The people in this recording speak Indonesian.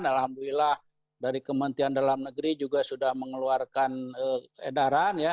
alhamdulillah dari kementerian dalam negeri juga sudah mengeluarkan edaran ya